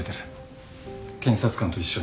検察官と一緒に。